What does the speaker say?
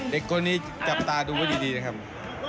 เด็กคนนี้จับตาดูบอกดีนะครับ